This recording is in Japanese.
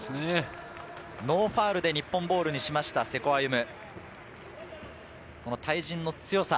ノーファウルで日本ボールにしました、瀬古歩夢。